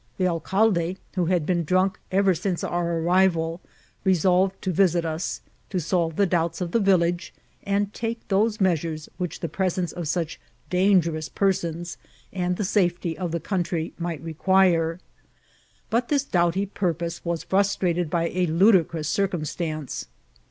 The alcalde, who had be^i drunk ever since our arrival, resolved to visit us, to solve the doubts of the village, and take those measures which the presence of such dangerous persons and the safety of the country might require. But this doughty purpose was frustrated by a ludicrous^ drcumstance.